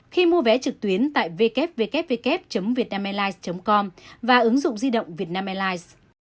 khi mua vé trực tuyến tại www vietnamairlines com và ứng dụng di động vietnam airlines